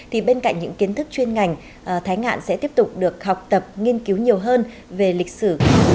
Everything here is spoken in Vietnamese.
thì bên cạnh những kiến thức chuyên ngành thái ngạn sẽ tiếp tục được học tập nghiên cứu nhiều hơn về lịch sử